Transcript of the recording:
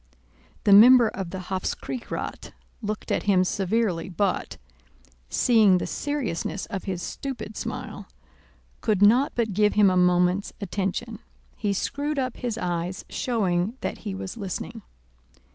The member of the Hofkriegsrath looked at him severely but, seeing the seriousness of his stupid smile, could not but give him a moment's attention. He screwed up his eyes showing that he was listening.